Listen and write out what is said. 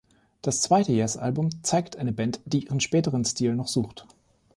Das zweite Yes-Album zeigt eine Band, die ihren späteren Stil noch sucht.